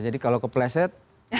jadi kalau ke placid